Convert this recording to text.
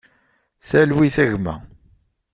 Talwit a gma.